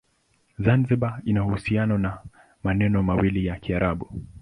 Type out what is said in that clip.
Zanzibar ina uhusiano na maneno mawili ya Kiarabu.